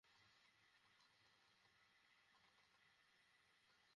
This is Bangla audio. আমাদের ছেড়ে যাবেন না!